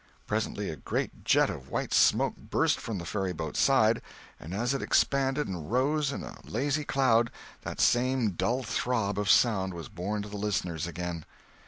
Presently a great jet of white smoke burst from the ferryboat's side, and as it expanded and rose in a lazy cloud, that same dull throb of sound was borne to the listeners again.